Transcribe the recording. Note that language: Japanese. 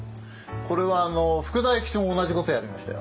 これは福澤諭吉も同じことやりましたよ。